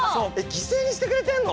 犠牲にしてくれてんの？